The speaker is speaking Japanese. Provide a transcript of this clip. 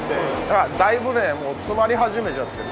だいぶ詰まり始めちゃってる。